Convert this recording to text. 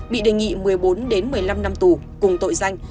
bị đề nghị một mươi bốn một mươi năm năm tù cùng tội danh